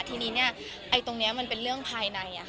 ที่นี้เรื่องตรงนี้เป็นภายใน